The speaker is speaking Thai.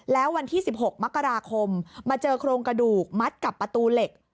แล้ววันที่๑๖มกราคมมาเจอโครงกระดูกมัดกับประตูเหล็ก